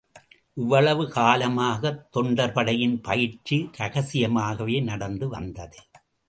இவ்வளவு காலமாகத் தொண்டர்படையின் பயிற்சி ரகசியமாகவே நடந்து வந்தது.